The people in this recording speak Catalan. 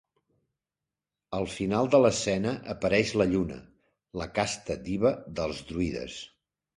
Al final de l'escena apareix la lluna -la casta diva dels druides-.